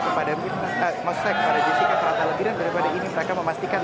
kepadanya mesek pada jessica terlalu lebih dan daripada ini mereka memastikan